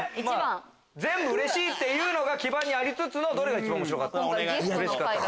「全部うれしい」というのが基盤にありつつどれが一番うれしかったか。